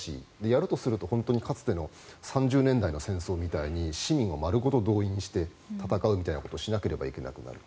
やるとするとかつての３０年代の戦争ぐらいに市民を丸ごと動員して戦うみたいなことをしなければいけなくなる。